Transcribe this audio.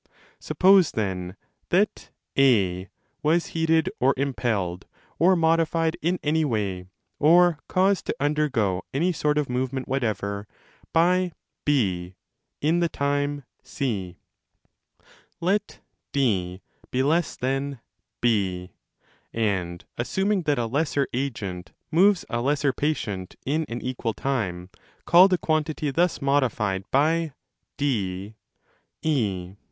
Suppose, then, that A was heated, or impelled, or modified in any way, or caused to undergo any sort of movement whatever, by # in the time C. Let D be less than 8; and, assuming that a lesser agent moves a lesser patient in an equal time, call the quan 5 tity thus modified by D, &.